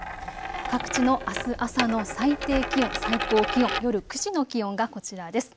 各地のあす朝の最低気温、最高気温、夜９時の気温がこちらです。